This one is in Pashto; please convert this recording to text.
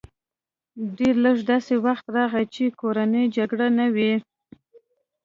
ډېر لږ داسې وخت راغی چې کورنۍ جګړې نه وې